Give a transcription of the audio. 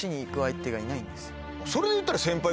それを言ったら。